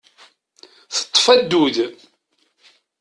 Teṭṭef addud.